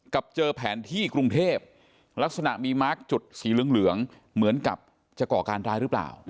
เจอแผนที่กรุงเทพลักษณะมีมาร์คจุดสีเหลืองเหมือนกับจะก่อการร้ายหรือเปล่า